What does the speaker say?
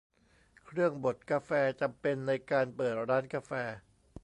เครื่องบดกาแฟ จำเป็นในการเปิดร้านกาแฟ